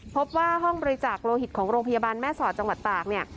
พบว่าห้องบริจาคโลหิตของโรงพยาบาลแม่สอดจังหวัดตากเนี่ย